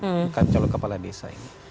bukan calon kepala desa ini